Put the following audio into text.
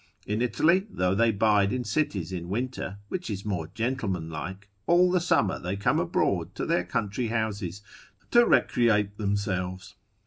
In Italy, though they bide in cities in winter, which is more gentlemanlike, all the summer they come abroad to their country houses, to recreate themselves.